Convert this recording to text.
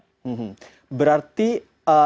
berarti ini balik lagi lebih ke anjing